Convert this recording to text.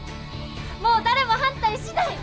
もう誰も反対しない！